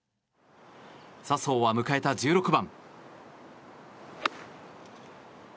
笹生は迎えた１６番。